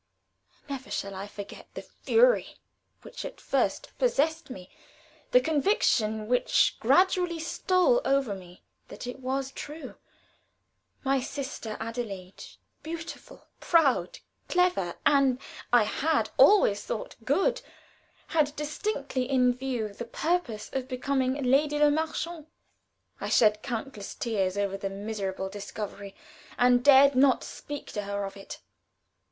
Never shall I forget the fury which at first possessed me, the conviction which gradually stole over me that it was true. My sister Adelaide, beautiful, proud, clever and, I had always thought, good, had distinctly in view the purpose of becoming Lady Le Marchant. I shed countless tears over the miserable discovery, and dared not speak to her of it.